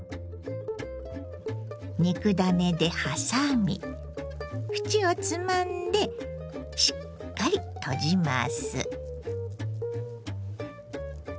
肉ダネで挟み縁をつまんでしっかり閉じます。